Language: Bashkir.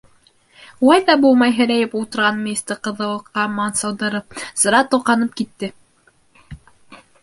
Улай ҙа булмай һерәйеп ултырған мейесте ҡыҙыллыҡҡа мансылдырып, сыра тоҡанып китте.